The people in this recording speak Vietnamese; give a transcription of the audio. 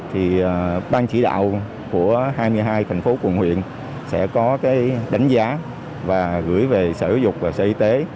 thì ban chỉ đạo của hai mươi hai tp hcm sẽ có đánh giá và gửi về sở giáo dục và sở y tế